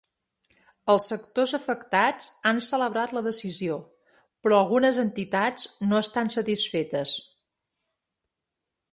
Els sectors afectats han celebrat la decisió, però algunes entitats no estan satisfetes.